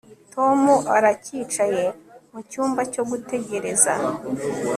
Tom aracyicaye mucyumba cyo gutegereza